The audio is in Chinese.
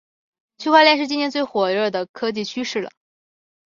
区块链是今年最火热的科技趋势了